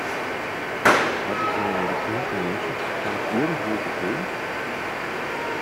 Haben Sie meinen gesunden Menschenverstand irgendwo gesehen?